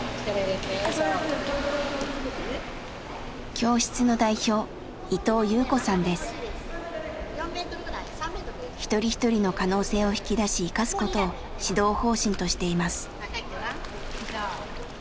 教室の代表一人一人の可能性を引き出し生かすことを指導方針としています。